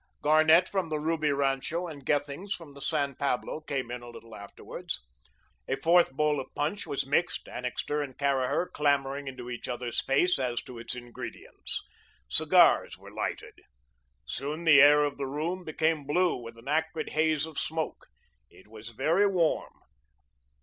Garnett from the Ruby rancho and Gethings from the San Pablo, came in a little afterwards. A fourth bowl of punch was mixed, Annixter and Caraher clamouring into each other's face as to its ingredients. Cigars were lighted. Soon the air of the room became blue with an acrid haze of smoke. It was very warm.